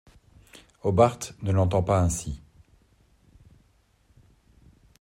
Hobbart ne l’entend pas ainsi.